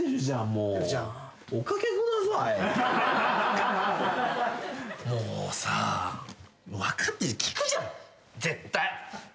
もうさ分かって聞くじゃん絶対。